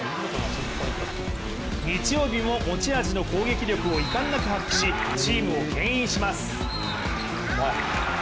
日曜日も持ち味の攻撃力をいかんなく発揮しチームをけん引します。